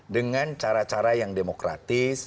dengan cara cara yang demokratis